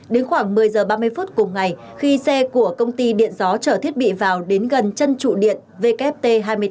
đến khoảng một mươi h ba mươi phút cùng ngày khi xe của công ty điện gió trở thiết bị vào đến gần chân trụ điện wt hai mươi bốn